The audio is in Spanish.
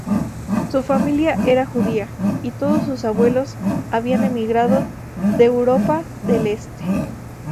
Su familia era judía, y todos sus abuelos habían emigrado de Europa del Este.